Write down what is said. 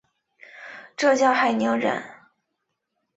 浙江海宁人。